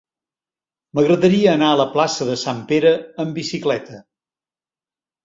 M'agradaria anar a la plaça de Sant Pere amb bicicleta.